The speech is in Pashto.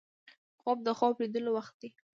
خوب د خوب لیدلو وخت دی